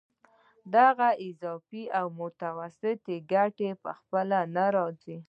دغه اضافي او متوسطه ګټه په خپله نه راځي